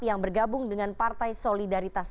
yang bergabung dengan partai solidaritas